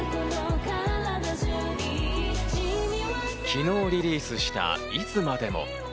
昨日をリリースした『いつまでも』。